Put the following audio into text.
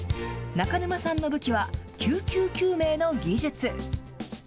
中沼さんの武器は、救急救命の技術。